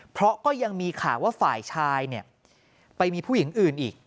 เพราะก็ยังมีข่าวว่าฝ่ายชายไปมีผู้หญิงอื่นอีก